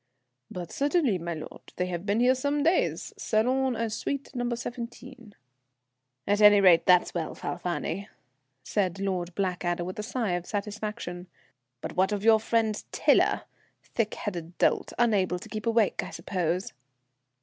"But certainly, milord. They have been here some days. Salon and suite No. 17." "At any rate, that's well, Falfani," said Lord Blackadder, with a sigh of satisfaction. "But what of your friend Tiler? Thick headed dolt, unable to keep awake, I suppose."